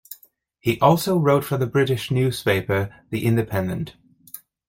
He also wrote for the British newspaper "The Independent".